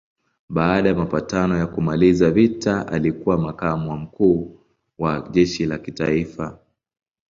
Baada ya mapatano ya kumaliza vita alikuwa makamu wa mkuu wa jeshi la kitaifa.